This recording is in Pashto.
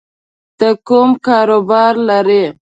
ته کوم کاروبار لری